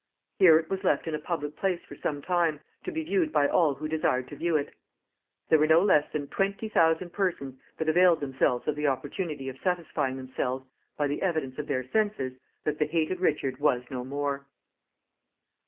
Here it was left in a public place for some time, to be viewed by all who desired to view it. There were no less than twenty thousand persons that availed themselves of the opportunity of satisfying themselves, by the evidence of their senses, that the hated Richard was no more.